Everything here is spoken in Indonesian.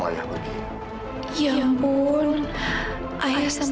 ayah kwencan nanti matif